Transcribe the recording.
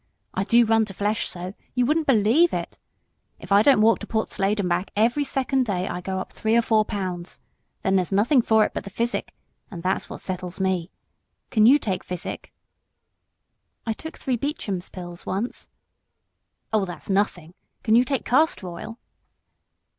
I do run to flesh so, you wouldn't believe it. If I don't walk to Portslade and back every second day, I go up three or four pounds. Then there's nothing for it but the physic, and that's what settles me. Can you take physic?" "I took three Beecham's pills once." "Oh, that's nothing. Can you take castor oil?"